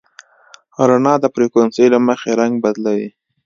رڼا د فریکونسۍ له مخې رنګ بدلوي.